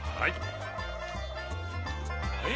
はい！